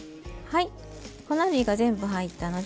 はい。